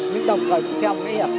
nhưng đồng thời cũng theo công nghiệp